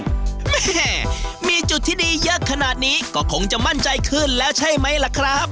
แม่มีจุดที่ดีเยอะขนาดนี้ก็คงจะมั่นใจขึ้นแล้วใช่ไหมล่ะครับ